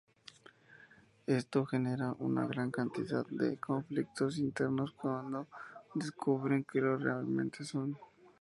Esto genera una gran cantidad de conflictos internos cuando descubren lo que realmente son.